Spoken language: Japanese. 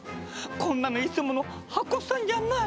こんなのいつもの破骨さんじゃない。